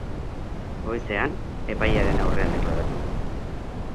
Goizean, epailearen aurrean deklaratu du.